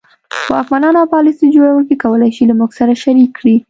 واکمنان او پالیسي جوړوونکي کولای شي له موږ سره شریک کړي.